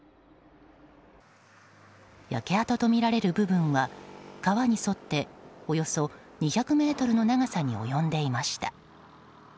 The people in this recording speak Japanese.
焼け跡とみられる部分は川に沿っておよそ２００ｍの長さに及んでいました。